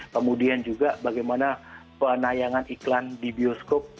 kemudian juga bagaimana penayangan iklan di bioskop